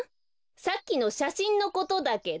さっきのしゃしんのことだけど。